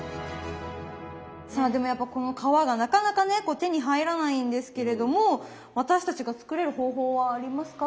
さあでもやっぱこの皮がなかなかね手に入らないんですけれども私たちが作れる方法はありますか？